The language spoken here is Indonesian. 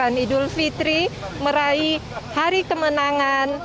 yang merayakan idul fitri merayai hari kemenangan